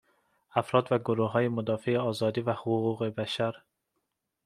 افراد و گروههای مدافع آزادی و حقوق بشر